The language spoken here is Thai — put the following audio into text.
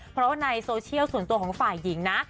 เพราะว่าในโซเชียลส่วนตัวของฝ่ายหญิงนะ